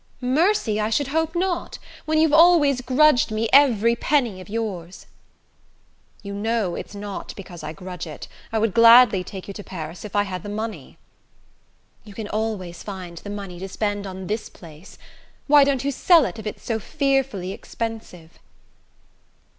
"Mercy, I should hope not, when you've always grudged me every penny of yours!" "You know it's not because I grudge it. I would gladly take you to Paris if I had the money." "You can always find the money to spend on this place. Why don't you sell it if it's so fearfully expensive?"